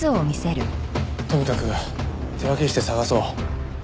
とにかく手分けして捜そう。